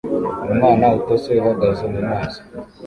Umwana utose uhagaze mumazi